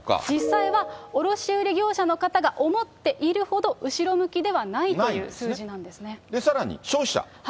実際は、卸売業者の方が思っているほど後ろ向きではないという数字なんでさらに消費者。